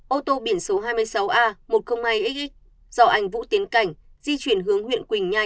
ô tô biển số hai mươi sáu a một trăm linh hai x do anh vũ tiến cảnh di chuyển hướng huyện quỳnh nhai